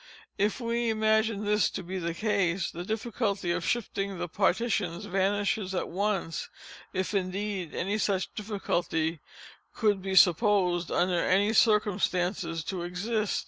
If we imagine this to be the case, the difficulty of shifting the partitions vanishes at once, if indeed any such difficulty could be supposed under any circumstances to exist.